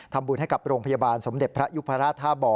ทำบุญให้กับโรงพยาบาลสมเด็จพระยุพราชท่าบ่อ